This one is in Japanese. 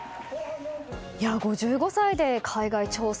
５５歳で海外挑戦。